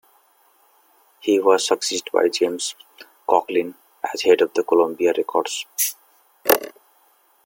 He was succeeded by James Conkling as head of Columbia Records.